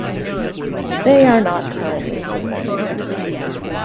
They are not currently performing.